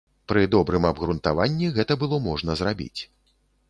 Пры добрым абгрунтаванні гэта было можна зрабіць.